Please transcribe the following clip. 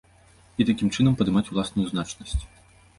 І такім чынам падымаць уласную значнасць.